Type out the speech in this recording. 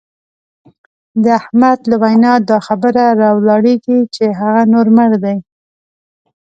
د احمد له وینا دا خبره را ولاړېږي چې هغه نور مړ دی.